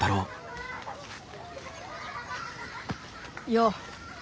よう。